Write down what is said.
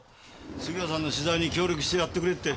杉浦さんの取材に協力してやってくれって。